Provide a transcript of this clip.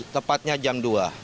tepatnya jam dua